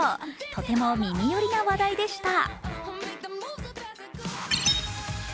とても耳寄りな話題でした。